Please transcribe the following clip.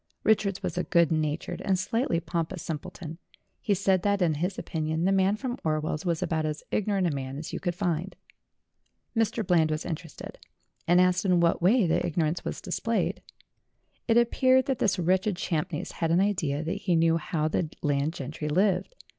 Richards was a good natured and slightly pompous simpleton. He said that, in his opinion, the man from Orwell's was about as ignorant a man as you could find. Mr. Bland was interested, and asked in what way the ignorance was displayed. It appeared that this wretched Champneys had an idea that he knew how the landed gentry lived.